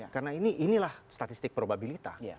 karena ini inilah statistik probabilitas